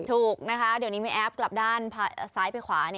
ถูกนะคะเดี๋ยวนี้แม่แอฟกลับด้านซ้ายไปขวา